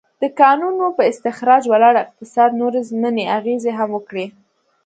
د کانونو پر استخراج ولاړ اقتصاد نورې ضمني اغېزې هم وکړې.